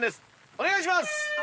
お願いします！